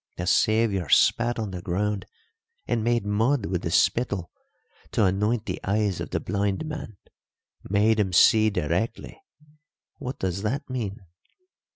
The Saviour spat on the ground and made mud with the spittle to anoint the eyes of the blind man. Made him see directly. What does that mean?